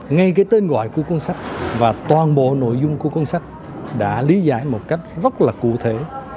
ngay cái tên gọi của cuốn sách và toàn bộ nội dung của cuốn sách đã lý giải một cách rất là cụ thể